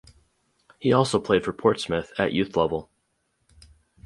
He also played for Portsmouth at youth level.